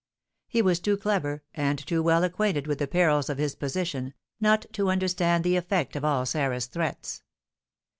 He was too clever, and too well acquainted with the perils of his position, not to understand the effect of all Sarah's threats.